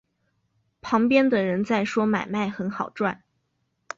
旁边的人在说买卖很好赚